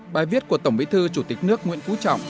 bài viết của tổng bí thư chủ tịch nước nguyễn phú trọng